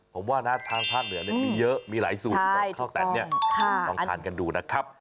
ผมว่านะทางภาคเหนือมีเยอะมีหลายสูตรของข้าวแตนเนี่ยลองทานกันดูนะครับ